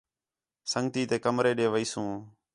سنڳتی تے کمرے ݙے ویلسوں